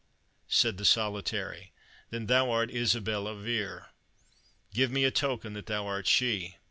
said the Solitary, "then thou art Isabella Vere? Give me a token that thou art she."